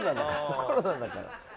コロナだから。